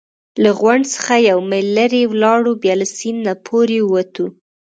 له غونډ څخه یو میل لرې ولاړو، بیا له سیند نه پورې ووتو.